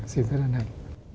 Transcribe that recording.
vâng xin rất ơn anh